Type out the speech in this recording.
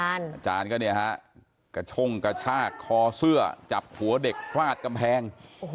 อาจารย์ก็เนี่ยฮะกระช่งกระชากคอเสื้อจับหัวเด็กฟาดกำแพง